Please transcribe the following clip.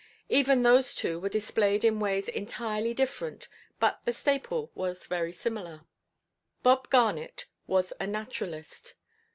Even those two were displayed in ways entirely different, but the staple was very similar. Bob Garnet was a naturalist.